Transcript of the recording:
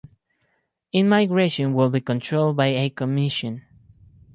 Immigration would be controlled by a commission.